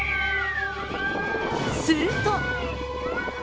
すると。